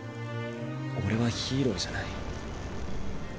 俺はヒーローじゃない。